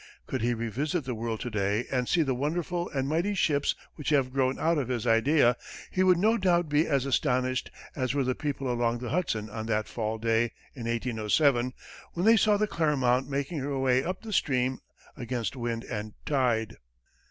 Could he re visit the world to day and see the wonderful and mighty ships which have grown out of his idea, he would no doubt be as astonished as were the people along the Hudson on that fall day in 1807 when they saw the "Clermont" making her way up the stream against wind and tide.